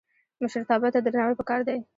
مشرتابه ته درناوی پکار دی